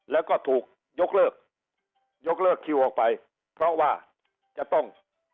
แล้วก็ถูกยกเลิกยกเลิกคิวออกไปเพราะว่าจะต้อง